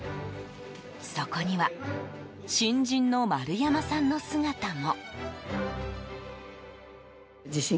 そこには新人の丸山さんの姿も。